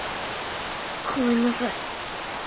ごめんなさい。